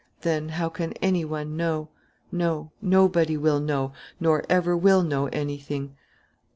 Then how can any one know? No, nobody will know nor ever will know anything.